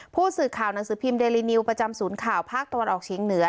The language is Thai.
ผู้สื่อข่าวหนังสือพิมพ์เดลินิวประจำศูนย์ข่าวภาคตะวันออกเฉียงเหนือ